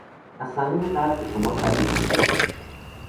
از صمیم قلب به شما تبریک میگویم.